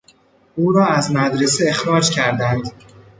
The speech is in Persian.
او را از مدرسه اخراج کردند.